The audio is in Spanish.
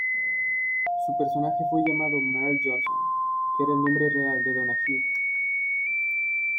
Su personaje fue llamado Merle Johnson, que era el nombre real de Donahue.